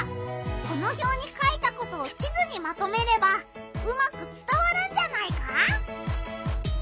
このひょうに書いたことを地図にまとめればうまくつたわるんじゃないか？